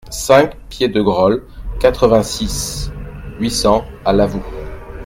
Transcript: cinq piedegrolle, quatre-vingt-six, huit cents à Lavoux